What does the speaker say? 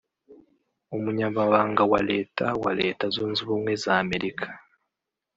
umunyamabanga wa Leta wa Leta Zunze Ubumwe za Amerika